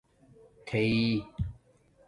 تھئ